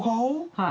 はい。